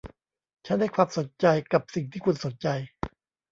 ฉันให้ความสนใจกับสิ่งที่คุณสนใจ